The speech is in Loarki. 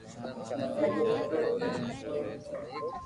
مني تو خبر ھو ڪوئي ني